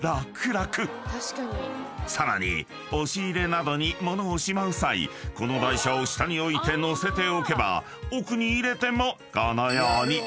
［さらに押し入れなどに物をしまう際この台車を下に置いて載せておけば奥に入れてもこのように］